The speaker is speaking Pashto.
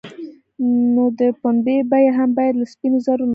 نو د پنبې بیه هم باید له سپینو زرو لوړه وای.